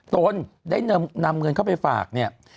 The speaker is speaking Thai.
ตนได้นำเงินเข้าไปฝากเนี่ย